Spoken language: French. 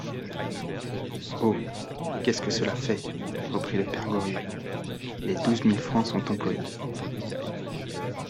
Oh ! qu'est-ce que cela fait ! reprit le père Goriot, les douze mille francs sont employés.